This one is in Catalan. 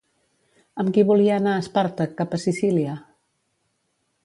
Amb qui volia anar Espàrtac cap a Sicília?